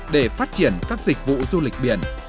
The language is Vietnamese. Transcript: để phát triển các dịch vụ du lịch biển